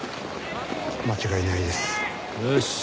間違いないです。